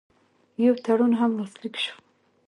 یو تړون هم لاسلیک شو.